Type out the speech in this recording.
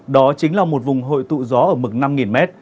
đó chính là một vùng hội tụ gió ở mực năm m